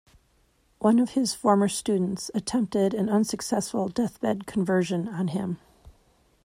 One of his former students attempted an unsuccessful deathbed conversion on him.